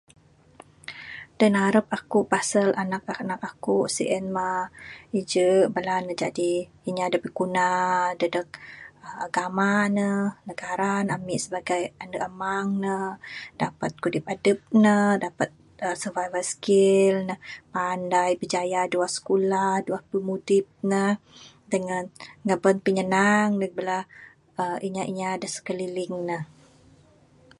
Da ngarap aku pasal anak-anak aku sien mah ije bala ne jadi inya da biguna dadeg agama ne, negara ne, ami sibagai ande amang ne dapat kudip adep ne dapat survival skill ne...panai bijaya duwa sikulah duwa pimudip ne dangan ngaban pinyanang neg bala inya-inya sekeliling ne.